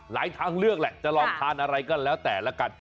ทางเลือกแหละจะลองทานอะไรก็แล้วแต่ละกัน